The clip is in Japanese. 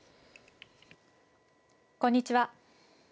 こんにちは。